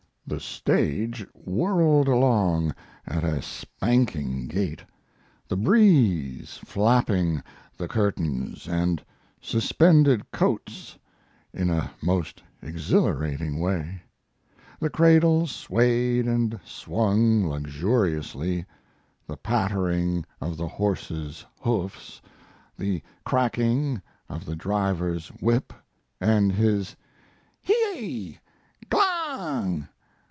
The stage whirled along at a spanking gait, the breeze flapping the curtains and suspended coats in a most exhilarating way; the cradle swayed and swung luxuriously, the pattering of the horses' hoofs, the cracking of the driver's whip, and his "Hi yi! g'lang!"